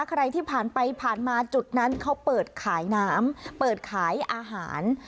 ใครที่ผ่านไปผ่านมาจุดนั้นเขาเปิดขายน้ำเปิดขายอาหาร